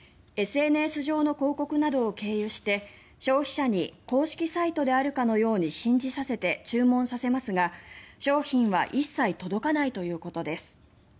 ＳＮＳ上の広告などを経由して消費者に公式サイトであるかのように信じさせて注文させますが、商品は一切届かないということです。